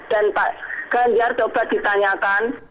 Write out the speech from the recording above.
dan pak ganjar coba ditanyakan